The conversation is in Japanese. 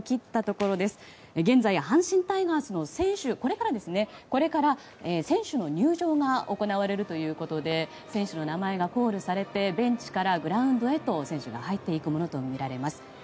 これから阪神タイガースの選手の入場が行われるということで選手の名前がコールされてベンチからグラウンドに選手が入っていくとみられます。